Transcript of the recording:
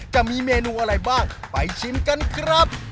จะมีเมนูอะไรบ้างไปชิมกันครับ